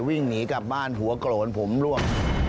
วิ่งหนีกลับบ้านหัวโกรนผมร่วง